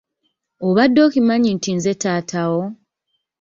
Obadde okimanyi nti nze taata wo.